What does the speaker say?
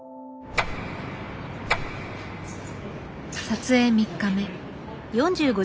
撮影３日目。